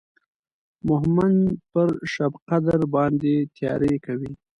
مهمند پر شبقدر باندې تیاری کوي.